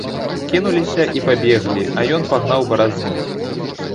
Кінуліся і пабеглі, а ён пагнаў баразну.